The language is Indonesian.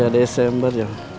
tiga desember ya